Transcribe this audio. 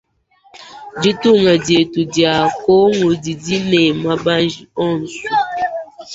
Ditunga dietu dia kongu didi ne mabanji onsu.